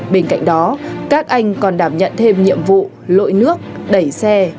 bên cạnh đó các anh còn đảm nhận thêm nhiệm vụ lội nước đẩy xe